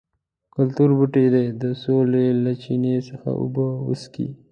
کلتور بوټي دې د سولې له چینې څخه اوبه وڅښي.